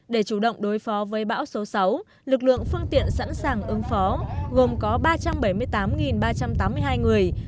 để chủ động đối phó với bão số sáu lực lượng phương tiện sẵn sàng ứng phó gồm có ba trăm bảy mươi tám ba trăm tám mươi hai người